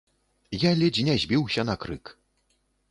Я ледзь не збіўся на крык.